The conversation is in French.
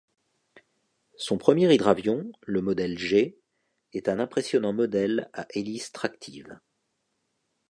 Son premier hydravion, le Modèle G, est un impressionnant modèle à hélice tractive.